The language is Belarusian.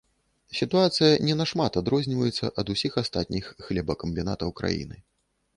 Сітуацыя не нашмат адрозніваецца ад усіх астатніх хлебакамбінатаў краіны.